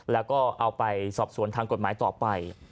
แล้วเอาไปสอบสวนทางต่อไป